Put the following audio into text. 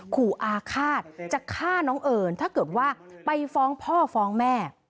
ขู่อาฆาตจะฆ่าน้องเอิญถ้าเกิดว่าไปฟ้องพ่อฟ้องแม่